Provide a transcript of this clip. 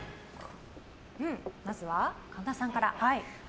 まずは、神田さんから。